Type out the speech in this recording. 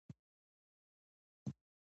کتاب اسرار العارفین د احکامو او مسایلو جامع دی.